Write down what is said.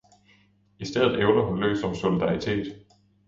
I stedet ævler hun løs om solidaritet.